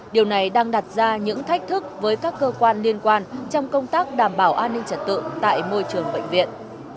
điều này đang đặt ra những thách thức với các cơ quan liên quan trong công tác đảm bảo an ninh trật tự tại môi trường bệnh viện